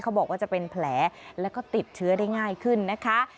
บอกว่าจะเป็นแผลแล้วก็ติดเชื้อได้ง่ายขึ้นนะคะ